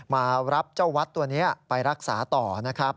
มารับเจ้าวัดตัวนี้ไปรักษาต่อนะครับ